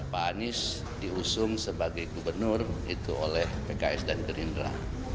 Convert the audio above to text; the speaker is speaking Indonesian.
pak anies diusung sebagai gubernur itu oleh pks dan gerindra